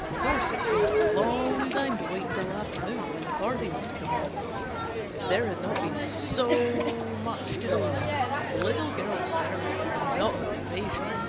Of course it seemed a long time to wait until afternoon, when the party was to come off. If there had not been so much to do, the Little Girls certainly could not have been patient.